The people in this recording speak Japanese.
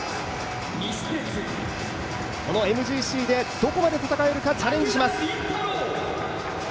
このＭＧＣでどこまで戦えるかチャレンジします。